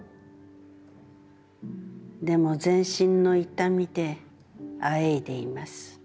でも、全身の痛みであえいでいます。